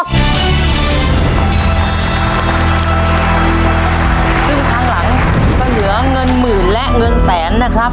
ซึ่งครั้งหลังก็เหลือเงินหมื่นและเงินแสนนะครับ